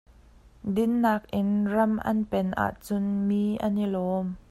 Dinnak in ram an pen ahcun mi an i lawm.